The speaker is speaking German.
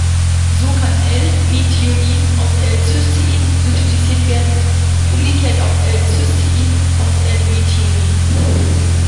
So kann L-Methionin aus L-Cystein synthetisiert werden und umgekehrt auch L-Cystein aus L-Methionin.